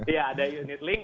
iya ada unit link